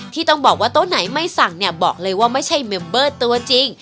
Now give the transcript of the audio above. ที่ต้องบอกว่าโต๊ะไหนไม่สั่งเนี่ยบอกเลยว่าไม่ใช่เมมเบอร์ตัวจริง